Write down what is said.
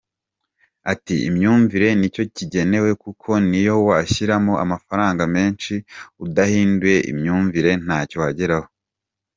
Ati “Imyumvire nicyo gikenewe kuko niyo washyiramo amafaranga menshi udahinduye imyumvire ntacyo wageraho.